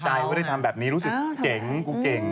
ไม่ได้ทำแบบนี้รู้สึกเจ๋งกูเก่ง